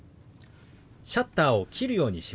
シャッターを切るようにします。